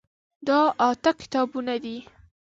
دا اته کتابونه دي.